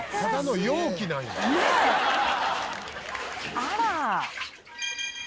あら！